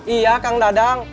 iya kang dadang